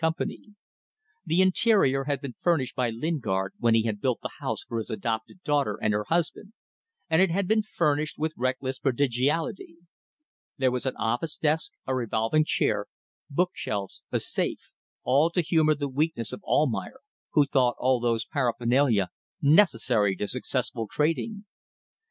The interior had been furnished by Lingard when he had built the house for his adopted daughter and her husband, and it had been furnished with reckless prodigality. There was an office desk, a revolving chair, bookshelves, a safe: all to humour the weakness of Almayer, who thought all those paraphernalia necessary to successful trading.